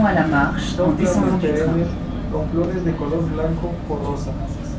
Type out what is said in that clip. Son plantas perennes con flores de color blanco o rosa.